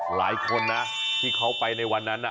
หลายคนนะที่เขาไปในวันนั้น